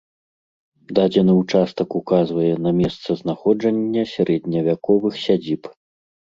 Дадзены ўчастак указвае на месца знаходжання сярэдневяковых сядзіб.